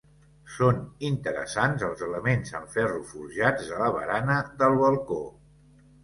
Són interessants els elements en ferro forjats de la barana del balcó.